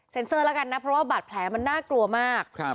เซอร์แล้วกันนะเพราะว่าบาดแผลมันน่ากลัวมาก